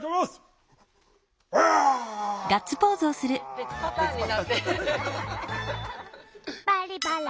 別パターンになってる。